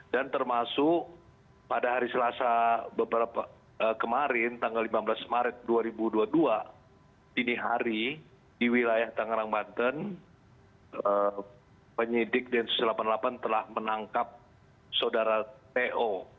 dan termasuk pada hari selasa kemarin tanggal lima belas maret dua ribu dua puluh dua dini hari di wilayah tangerang banten penyidik densus delapan puluh delapan telah menangkap sodara to